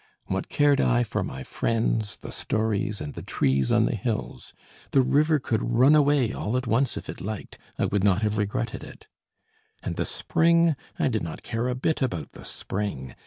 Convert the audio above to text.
What cared I for my friends, the stories, and the trees on the hills! The river could run away all at once if it liked; I would not have regretted it. And the spring, I did not care a bit about the spring!